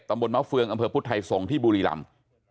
ตำบลเมาะเฟืองอำเภอพุทธไทยสงฯที่บูรีหล่ำ